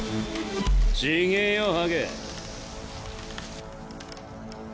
違ぇよハゲ。